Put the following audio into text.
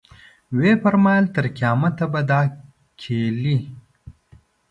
ویې فرمایل تر قیامته به دا کیلي.